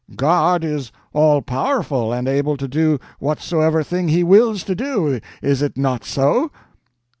"God is all powerful, and able to do whatsoever thing He wills to do, is it not so?"